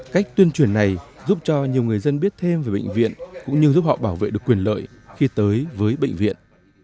cách tuyên truyền này giúp cho nhiều người dân biết thêm về bệnh viện cũng như giúp họ bảo vệ được quyền lợi khi tới với bệnh viện